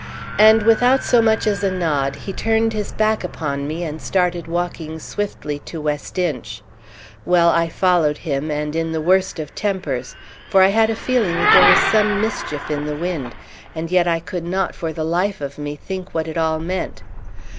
And without as much as a nod, he turned his back upon me, and started walking swiftly to West Inch. Well, I followed him, and in the worst of tempers; for I had a feeling that there was some mischief in the wind, and yet I could not for the life of me think what it all meant.